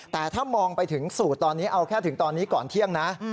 แต่ถ้ามองไปถึงสูตรตอนนี้เอาแค่ถึงตอนนี้ก่อนเที่ยงนะ